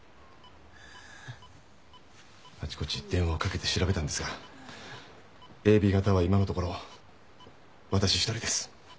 あっちこっち電話をかけて調べたんですがＡＢ型は今のところわたし１人です。